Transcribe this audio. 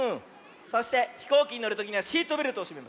そしてひこうきにのるときにはシートベルトをしめます。